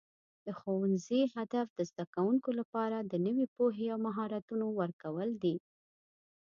د ښوونځي هدف د زده کوونکو لپاره د نوي پوهې او مهارتونو ورکول دي.